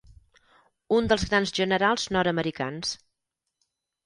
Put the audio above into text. Un dels grans generals nord-americans.